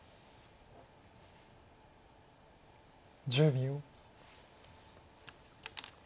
１０秒。